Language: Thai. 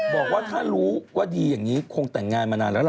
บอกว่าถ้ารู้ว่าดีอย่างนี้คงแต่งงานมานานแล้วล่ะ